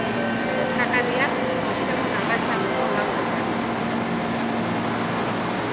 Gertakariak ostegun arratsaldeko lauretan izan ziren.